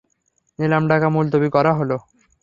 নিলাম ডাকা মুলতবি করা হলো।